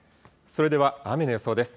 それでは雨の予想です。